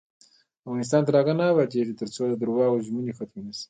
افغانستان تر هغو نه ابادیږي، ترڅو د درواغو ژمنې ختمې نشي.